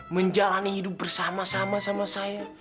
menjalani hidup bersama sama sama saya